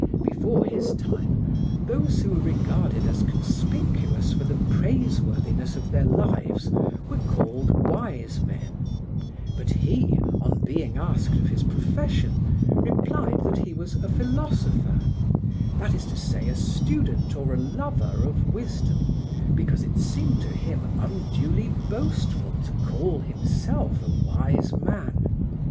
Before his time those who were regarded as conspicuous for the praiseworthiness of their lives were called wise men, but he, on being asked of his profession, replied that he was a philosopher, that is to say a student or a lover of wisdom, because it seemed to him unduly boastful to call himself a wise man."